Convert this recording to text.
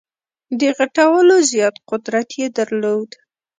د غټولو زیات قدرت یې درلود.